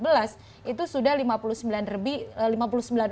dan itu sudah berubah menjadi